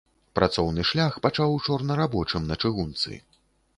Працоўны шлях пачаў чорнарабочым на чыгунцы.